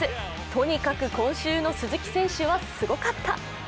とにかく今週の鈴木選手はすごかった！